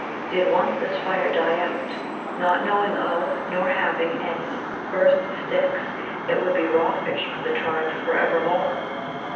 Did once this fire die out, not knowing of, nor having any, first sticks, it would be raw fish for the tribe for evermore.